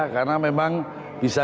karena memang bisa